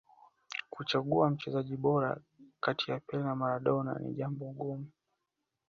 kuchagua mchezaji bora kati ya pele na maradona ni jambo gumu